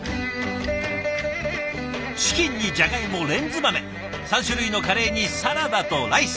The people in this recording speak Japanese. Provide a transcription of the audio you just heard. チキンにじゃがいもレンズ豆３種類のカレーにサラダとライス